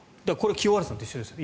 清原さんと一緒ですね。